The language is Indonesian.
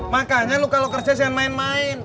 makanya lo kalau kerja sen main main